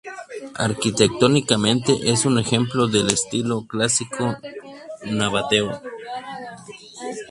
Arquitectónicamente es un ejemplo del estilo clásico nabateo.